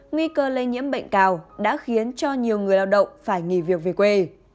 nguy cơ lây nhiễm bệnh cao đã khiến cho nhiều người lao động phải nghỉ việc về quê